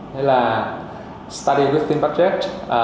đấy là study within budget